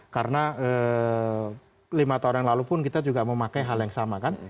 karena lima tahun yang lalu pun kita juga memakai hal yang sama kan